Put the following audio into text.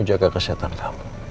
kamu jaga kesehatan kamu